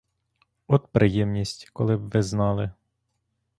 От приємність, коли б ви знали!